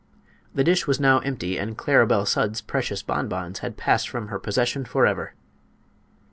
The dish was now empty, and Claribel Sudds' precious bonbons had passed from her possession forever!